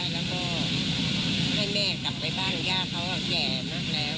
แล้วก็ให้แม่กลับไปบ้านย่าเขาแก่มากแล้ว